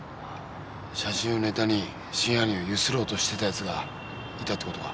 写真をネタに真犯人をゆすろうとしてたヤツがいたってことか？